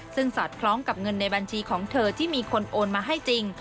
ซึ่งสอดคล้องกับเงินในบัญชีของเธอที่มีคนโอนมาให้จริง